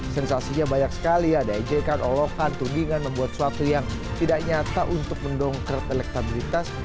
sensasinya banyak sekali ya dj kan olofan tugingan membuat sesuatu yang tidak nyata untuk mendongkert elektabilitas